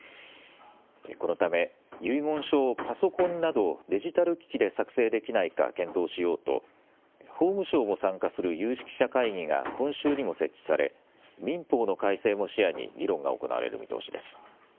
このため遺言書をパソコンなどデジタル機器で作成できないか検討しようと法務省も参加する有識者会議が今週にも設置され民法の改正も視野に議論が行われる見通しです。